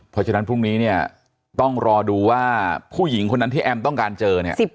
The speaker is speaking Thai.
เพราะฉะนั้นพรุ่งนี้เนี่ยต้องรอดูว่าผู้หญิงคนนั้นที่แอมต้องการเจอเนี่ย